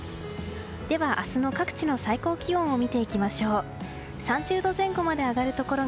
では、明日の各地の最高気温です。